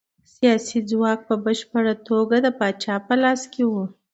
سیاسي ځواک په بشپړه توګه د پاچا په لاس کې و.